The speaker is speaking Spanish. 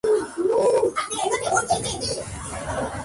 Además, fue el primer trabajo con el bajista Roberto García.